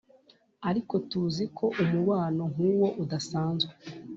ariko tuzi ko umubano nk'uwo udasanzwe.